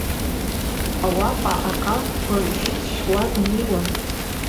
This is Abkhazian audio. Ауапа акалҭқәа шьҭшьуа днеиуан.